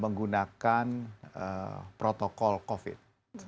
menggunakan protokol covid